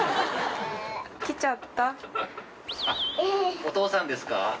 お父さんですか？